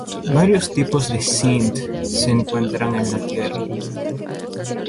Varios tipos de synth se encuentran en la tierra.